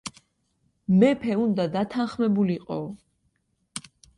მეფე უნდა დათანხმებულიყო.